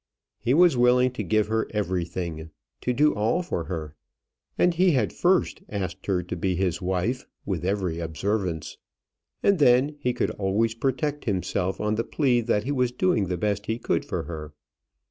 He was willing to give her everything, to do all for her. And he had first asked her to be his wife, with every observance. And then he could always protect himself on the plea that he was doing the best he could for her.